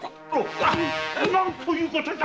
何ということだ！